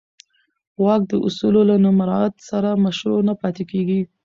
واک د اصولو له نه مراعت سره مشروع نه پاتې کېږي.